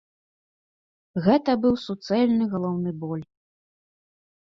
Гэта быў суцэльны галаўны боль.